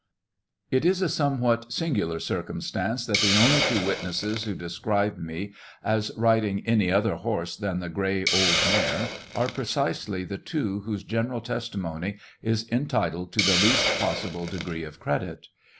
It is a somewhat singular circumstance that the only two witnesses who describe me as riding any other horse than the gray old mare, are precisely the two whose general testimony is entitled to the least possible degree of credit.